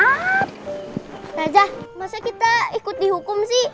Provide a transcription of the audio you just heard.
ustazah masa kita ikut dihukum sih